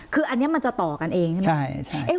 คืออันนี้มันจะต่อกันเองใช่ไหม